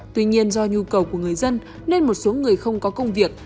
tuy nhiên do nhu cầu của người dân nên một số người không có công việc